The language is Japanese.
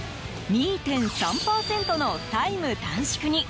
２．３％のタイム短縮に。